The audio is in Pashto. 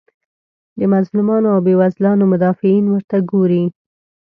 د مظلومانو او بیوزلانو مدافعین ورته ګوري.